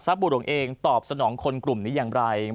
คุณสินทะนันสวัสดีครับ